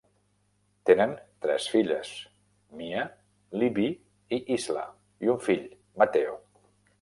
Tenen tres filles: Mia, Livvy i Isla, i un fill, Matteo.